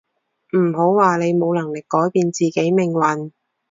唔好話你冇能力改變自己命運